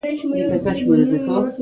لمسی د کوچنیوالي ښکلا لري.